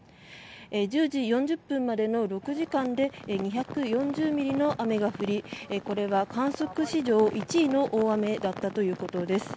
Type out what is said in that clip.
１０時４０分までの６時間で２４０ミリの雨が降りこれは観測史上１位の大雨だったということです。